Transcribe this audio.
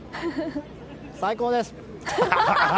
最高です！